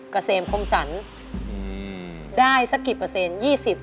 กระเสมคมสรรได้สักกี่เปอร์เซ็นต์๒๐